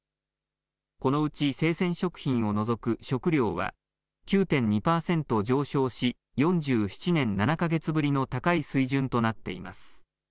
このうち生鮮食品を除く食料は９．２パーセント上昇し４７年７か月ぶりの高い水準となっています。